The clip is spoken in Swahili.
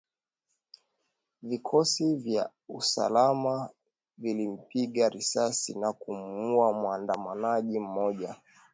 Vikosi vya usalama vilimpiga risasi na kumuuwa muandamanaji mmoja